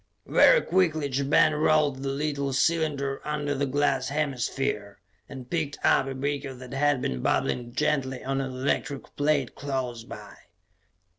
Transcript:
Very quickly Ja Ben rolled the little cylinder under the glass hemisphere, and picked up a beaker that had been bubbling gently on an electric plate close by.